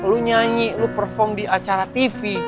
lo nyanyi lo perform di acara tv